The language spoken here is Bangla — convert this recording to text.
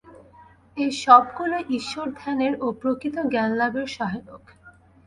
ঐ সবগুলিই ঈশ্বরধ্যানের ও প্রকৃত জ্ঞানলাভের সহায়ক।